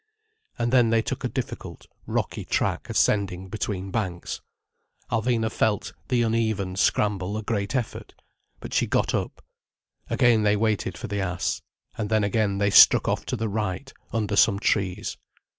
And then they took a difficult, rocky track ascending between banks. Alvina felt the uneven scramble a great effort. But she got up. Again they waited for the ass. And then again they struck off to the right, under some trees.